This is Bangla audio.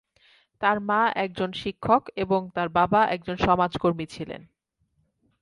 তার মা একজন শিক্ষক এবং তার বাবা একজন সমাজকর্মী ছিলেন।